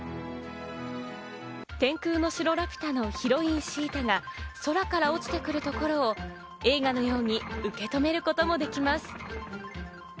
『天空の城ラピュタ』のヒロイン、シータが空から落ちてくるところを映画のように受け止めることもできます。